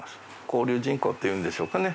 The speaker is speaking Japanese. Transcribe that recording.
交流人口っていうんでしょうかね